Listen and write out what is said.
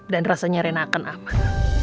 dan rasanya rena akan aman